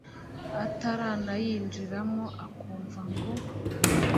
utaranayinjiramo ukumva ngo